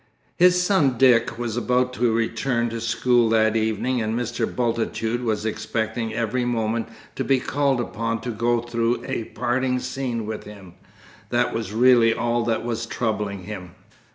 His son Dick was about to return to school that evening, and Mr. Bultitude was expecting every moment to be called upon to go through a parting scene with him; that was really all that was troubling him.